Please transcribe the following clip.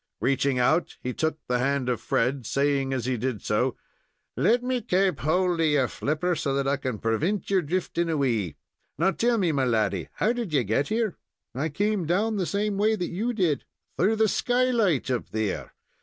Reaching out, he took the hand of Fred, saying as he did so: "Let me kaap hold of your flipper, so that I can prevint your drifting away. Now tell me, my laddy, how did you get here?" "I come down the same way that you did." "Through the skylight up there?